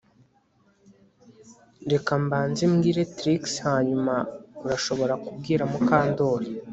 Reka mbanze mbwire Trix hanyuma urashobora kubwira Mukandoli